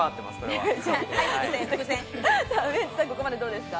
ウエンツさん、ここまでどうですか？